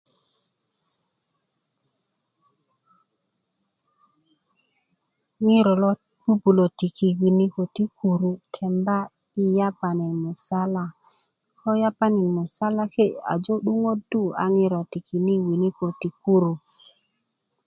ŋiro lo ti tikini tiki winikä ti kuru temba yapani musala ko yapani musala a 'yu 'duŋadu a ŋiro tikini winikä ti kuru